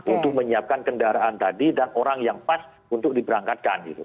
untuk menyiapkan kendaraan tadi dan orang yang pas untuk diberangkatkan